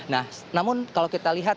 nah namun kalau kita lihat